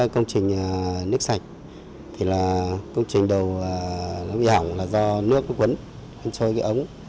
công trình nước sạch thì là công trình đầu nó bị hỏng là do nước quấn trôi cái ống